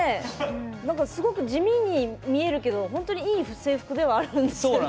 すごく地味に見えるけど本当にいい制服ではあるんですけど。